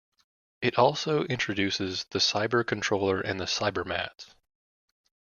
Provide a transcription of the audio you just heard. It also introduces the Cyber Controller and the Cybermats.